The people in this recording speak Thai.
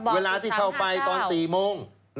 เวลาที่เข้าไปตอน๔โมง